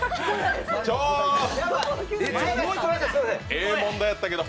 ええ問題やったけど。